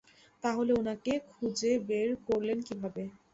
তাহলে ওনাকে খুঁজে বের করলেন কীভাবে?